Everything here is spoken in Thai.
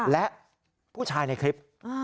และผู้ชายในคลิป